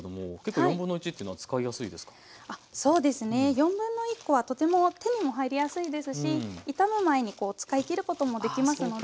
1/4コはとても手にも入りやすいですし傷む前に使いきることもできますので。